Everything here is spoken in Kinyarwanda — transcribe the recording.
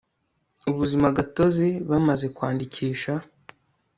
ubuzima gatozi bamaze kwandikisha